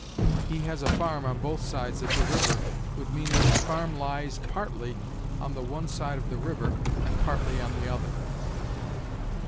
"He has a farm on both sides of the river" would mean that his farm lies partly on the one side of the river and partly on the other.